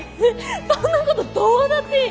そんなことどうだっていい！